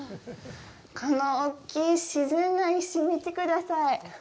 この大きい自然の石、見てください。